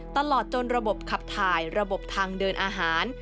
ตลอดจนระบบขับถ่ายระบบทางเดินอาหาร